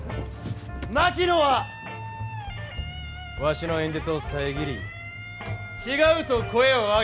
槙野はわしの演説を遮り「違う」と声を上げた。